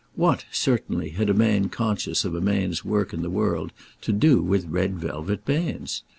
What, certainly, had a man conscious of a man's work in the world to do with red velvet bands?